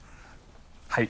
はい。